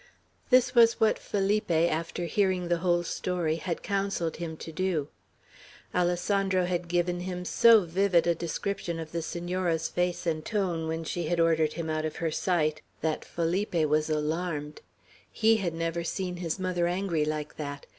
This was what Felipe, after hearing the whole story, had counselled him to do. Alessandro had given him so vivid a description of the Senora's face and tone, when she had ordered him out of her sight, that Felipe was alarmed. He had never seen his mother angry like that.